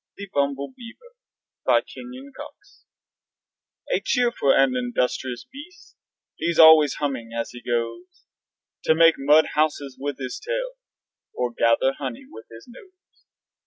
THE BUMBLEBEAVER BY KENYON COX A cheerful and industrious beast, He's always humming as he goes To make mud houses with his tail Or gather honey with his nose.